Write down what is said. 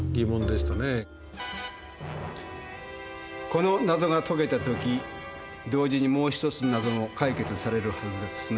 「この謎が解けたとき同時にもう一つの謎も解決されるはずです。